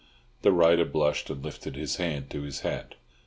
The rider blushed, and lifted his hand to his hat.